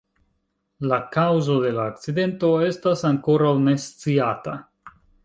La kaŭzo de la akcidento estas ankoraŭ ne sciata.